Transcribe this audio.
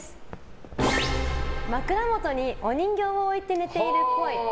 枕元にお人形を置いて寝ているっぽい。